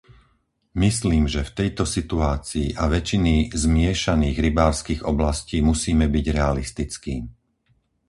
Myslím, že v tejto situácii a väčšiny zmiešaných rybárskych oblastí musíme byť realistickí.